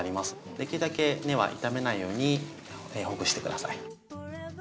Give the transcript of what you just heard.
できるだけ根は傷めないようにほぐして下さい。